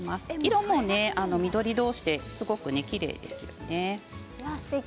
色も緑同士ですごくきれいですよね。